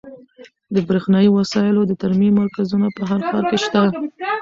د برښنایي وسایلو د ترمیم مرکزونه په هر ښار کې شته.